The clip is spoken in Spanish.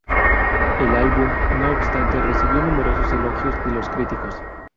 El álbum, no obstante, recibió numerosos elogios de los críticos.